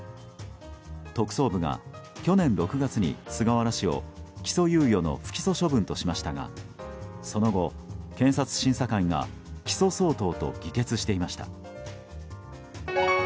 特捜部が去年６月に菅原氏を起訴猶予の不起訴処分としましたがその後、検察審査会が起訴相当と議決していました。